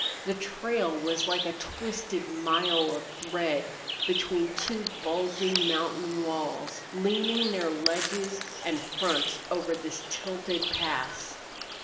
The trail was like a twisted mile of thread between two bulging mountain walls leaning their ledges and fronts over this tilted pass.